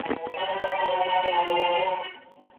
زعفران د حافظې د پیاوړتیا لپاره ښه دی.